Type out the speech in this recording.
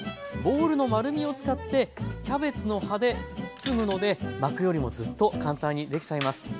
ボウルの丸みを使ってキャベツの葉で包むので巻くよりもずっと簡単にできちゃいます。